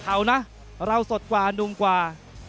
นะเราสดกว่านุ่มกว่า